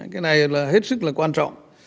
cái này là hết sức là quan trọng